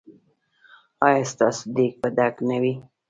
ایا ستاسو دیګ به ډک نه وي؟